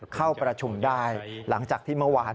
เข้าประชุมได้หลังจากที่เมื่อวาน